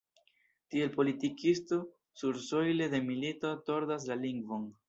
Tiel politikisto sursojle de milito tordas la lingvon.